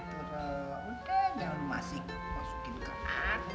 udah jangan masih masukin ke hati